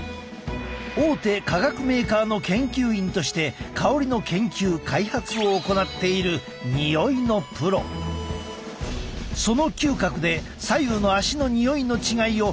大手化学メーカーの研究員として香りの研究開発を行っているその嗅覚で左右の足のにおいの違いを判定してもらう。